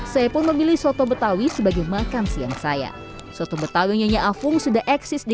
saya pun memilih soto betawi sebagai makan siang saya soto betawi nyonya afung sudah eksis di